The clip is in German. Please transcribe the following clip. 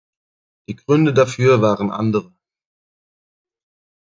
Die Gründe dafür waren andere.